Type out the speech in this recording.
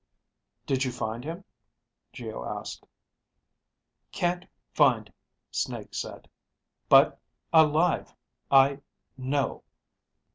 _ "Did you find him?" Geo asked. Can't ... find, Snake said. _But ... alive ... I ... know.